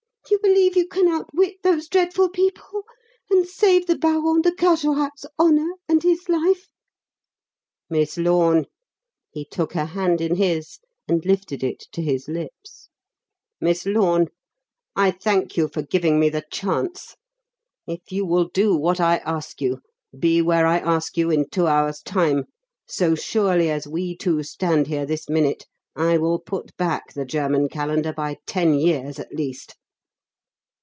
You believe you can outwit those dreadful people and save the Baron de Carjorac's honour and his life?" "Miss Lorne" he took her hand in his and lifted it to his lips "Miss Lorne, I thank you for giving me the chance! If you will do what I ask you, be where I ask you in two hours' time, so surely as we two stand here this minute, I will put back the German calendar by ten years at least.